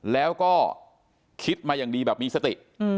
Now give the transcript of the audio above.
แล้วก็คิดมาอย่างดีแบบมีสติ